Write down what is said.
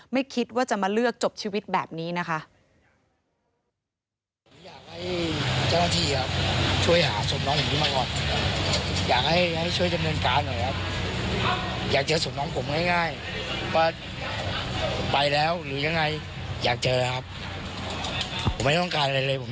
ไม่คิดว่าจะมาเลือกจบชีวิตแบบนี้นะคะ